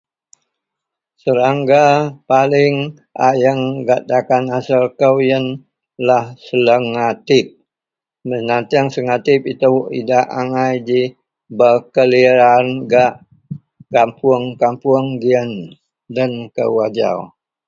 Serangga paling ayeng gak takan asel kou iyenlah selangatip benateang selangatip ito idak angai ji bekeliyaran gak kapuong kapuong giyen den kou ajau.